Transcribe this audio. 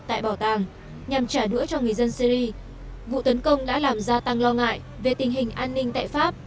tại bảo tàng nhằm trả đũa cho người dân syri vụ tấn công đã làm gia tăng lo ngại về tình hình an ninh tại pháp